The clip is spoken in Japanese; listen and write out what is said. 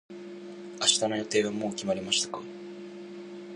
明日の予定はもう決まりましたか。